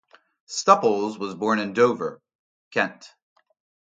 Stupples was born in Dover, Kent.